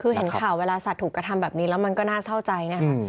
คือเห็นข่าวเวลาสัตว์ถูกกระทำแบบนี้แล้วมันก็น่าเศร้าใจนะคะ